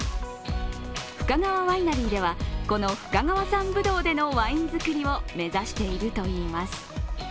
深川ワイナリーでは、この深川産ぶどうでのワイン造りを目指しているといいます。